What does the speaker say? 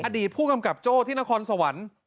อดีตผู้กำกับโจ้ที่นครสวรรค์